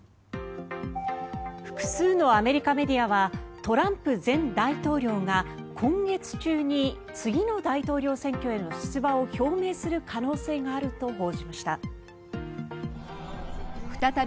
複数のアメリカメディアはトランプ前大統領が今月中に次の大統領選挙への出馬を表明する可能性があることを報じました。